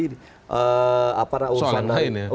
soalan lain ya